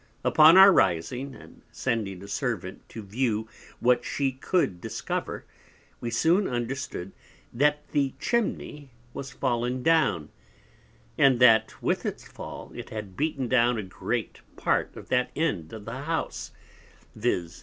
Upon our rising, and sending a Servant to view what she could discover, we soon understood that the Chimney was fallen down, and that with its Fall it had beaten down a great part of that End of the House, _viz.